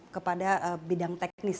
kepada bidang teknis